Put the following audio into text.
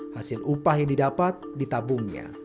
hasil upah yang didapat ditabungnya